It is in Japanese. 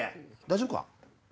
大丈夫か？